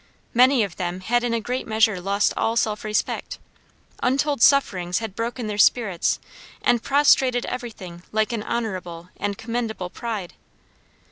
Many of them had in a great measure lost all self respect. Untold sufferings had broken their spirits and prostrated everything like an honorable and commendable pride.